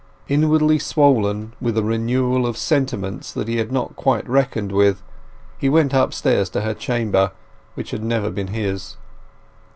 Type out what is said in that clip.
Inwardly swollen with a renewal of sentiment that he had not quite reckoned with, he went upstairs to her chamber, which had never been his.